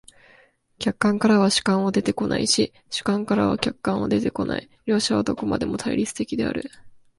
客観からは主観は出てこないし、主観からは客観は出てこない、両者はどこまでも対立的である。